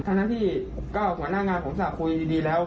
ทั้งที่ก้าวหัวหน้างานของสาปคุยดีแล้ว